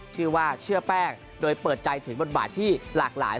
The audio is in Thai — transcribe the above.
ชื่อว่าเชื่อแป้งโดยเปิดใจถึงบทบาทที่หลากหลาย